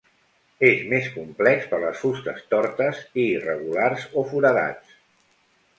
És més complex per les fustes tortes i irregulars o foradats.